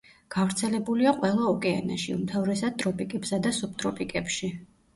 გავრცელებულია ყველა ოკეანეში, უმთავრესად ტროპიკებსა და სუბტროპიკებში.